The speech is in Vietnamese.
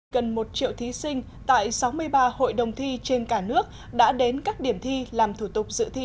gần một triệu thí sinh tại sáu mươi ba hội đồng thi trên cả nước đã đến các điểm thi làm thủ tục dự thi